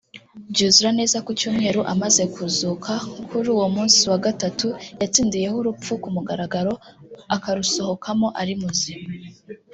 byuzura neza ku cyumweru amaze kuzuka kuri uwo munsi wa gatatu yatsindiyeho urupfu ku mugaragaro akarusohokamo ari muzima